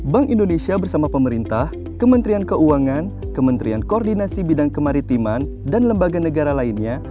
bank indonesia bersama pemerintah kementerian keuangan kementerian koordinasi bidang kemaritiman dan lembaga negara lainnya